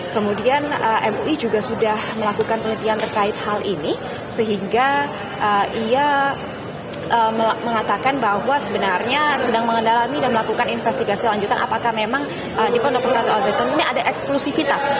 kemudian mui juga sudah melakukan penelitian terkait hal ini sehingga ia mengatakan bahwa sebenarnya sedang mengendalami dan melakukan investigasi lanjutan apakah memang di pondok pesantren al zaitun ini ada eksklusifitas